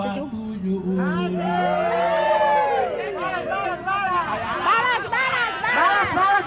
terus terus terus